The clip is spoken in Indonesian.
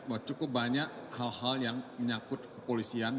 bahwa cukup banyak hal hal yang menyangkut kepolisian